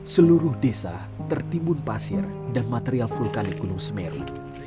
seluruh desa tertimbun pasir dan material vulkanik gunung semeru